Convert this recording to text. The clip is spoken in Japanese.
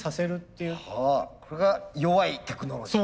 これが弱いテクノロジー。